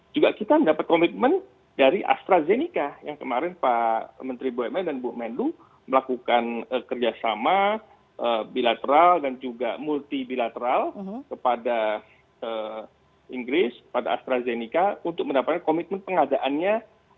juga kita mendapat komitmen dari astrazeneca yang kemarin pak menteri bumn dan bu menlu melakukan kerjasama bilateral dan juga multi bilateral kepada inggris kepada astrazeneca untuk mendapatkan komitmen pengadaannya